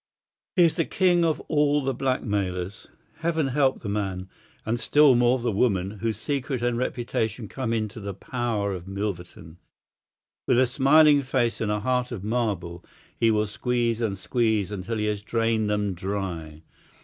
He is the king of all the blackmailers. Heaven help the man, and still more the woman, whose secret and reputation come into the power of Milverton. With a smiling face and a heart of marble he will squeeze and squeeze until he has drained them dry.